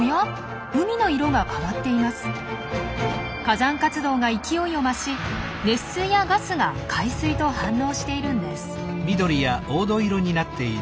火山活動が勢いを増し熱水やガスが海水と反応しているんです。